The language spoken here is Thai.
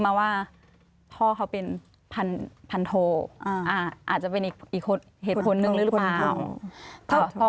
ไม่โดนพักราชการครับ